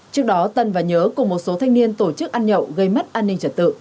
trước đó tân và nhớ cùng một số thanh niên tổ chức ăn nhậu gây mất an ninh trật tự